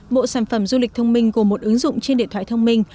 bộ sản phẩm du lịch thông minh gồm một ứng dụng trên địa bàn tỉnh